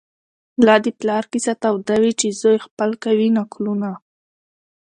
لا د پلار کیسه توده وي چي زوی خپل کوي نکلونه